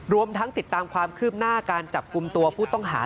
รวมทั้งติดตามความคืบหน้าการจับกลุ่มตัวผู้ต้องหา